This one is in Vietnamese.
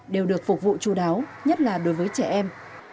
đều được phục vụ chú đáo nhất là đối với trẻ em